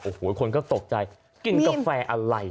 โอ้โหคนก็ตกใจกินกาแฟอะไร